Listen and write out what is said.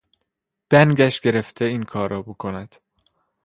دنگش گرفته این کار را بکند.